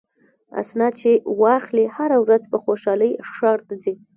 اسناد چې واخلي هره ورځ په خوشحالۍ ښار ته ځي.